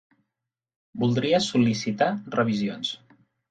Voldria sol·licitar revisions.